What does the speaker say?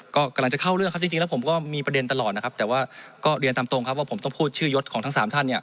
ก็กำลังจะเข้าเรื่องครับจริงแล้วผมก็มีประเด็นตลอดนะครับแต่ว่าก็เรียนตามตรงครับว่าผมต้องพูดชื่อยศของทั้งสามท่านเนี่ย